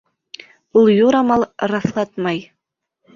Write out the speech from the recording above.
Ул юрамал раҫлатмай.